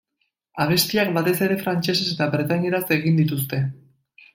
Abestiak batez ere frantsesez eta bretainieraz egin dituzte.